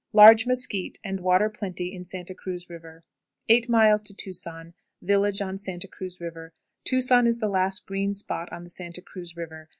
Large mesquite, and water plenty in Santa Cruz River. 8.00. Tucson. Village on Santa Cruz River. Tucson is the last green spot on the Santa Cruz River.